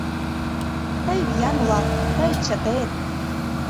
Тый виян улат, тый чытет!